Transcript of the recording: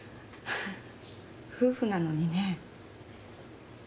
夫婦なのにね。